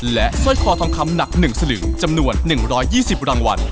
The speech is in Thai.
และสร้อยคอทองคำหนัก๑สลึงจำนวน๑๒๐รางวัล